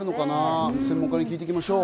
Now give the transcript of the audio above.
専門家に聞いていきましょう。